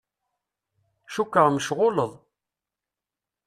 Cukkeɣ mecɣuleḍ.